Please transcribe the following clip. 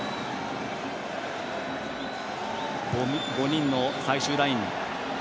５人の最終ライン。